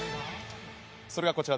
それが、こちら。